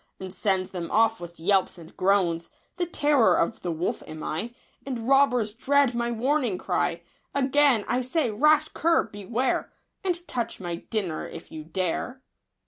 And sends them off with yelps and groans ; The terror of the wolf am I, And robbers dread my warning cry. Again I say, rash cur, beware. And touch my dinner if you dare